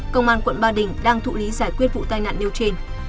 công an quận ba đình đang thụ lý giải quyết vụ tai nạn nêu trên